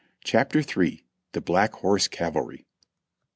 27 CHAPTER III. THE BLACK HORSE CAVALRY.